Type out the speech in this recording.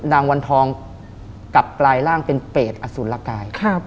วันทองกลับกลายร่างเป็นเปรตอสุรกาย